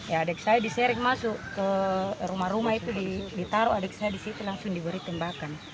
ya adik saya diserik masuk ke rumah rumah itu ditaruh adik saya di situ langsung diberi tembakan